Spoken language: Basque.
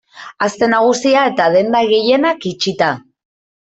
Aste Nagusia eta denda gehienak itxita.